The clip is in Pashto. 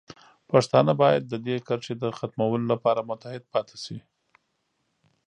پښتانه باید د دې کرښې د ختمولو لپاره متحد پاتې شي.